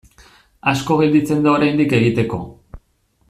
Asko gelditzen da oraindik egiteko.